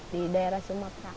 di daerah sumatera